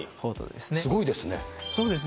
すごいですね。